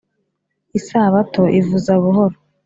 isabato ivuza buhoro